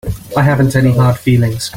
I haven't any hard feelings.